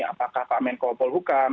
apakah pak kemenkopul hukam